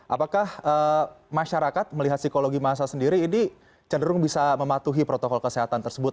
apakah masyarakat melihat psikologi masa sendiri ini cenderung bisa mematuhi protokol kesehatan tersebut